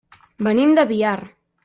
Venim de Biar.